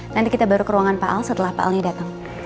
nanti kita baru ke ruangan pak al setelah pak aldi datang